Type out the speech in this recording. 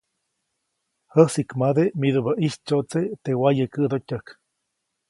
Jäsiʼkmade midubäʼ ʼitsyoʼtseʼ teʼ wayekäʼdotyäjk.